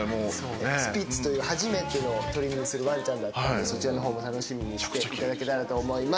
スピッツという初めてトリミングするワンちゃんだったので、そちらも楽しみにしていただけたらと思います。